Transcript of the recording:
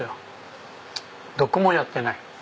どこもやってない。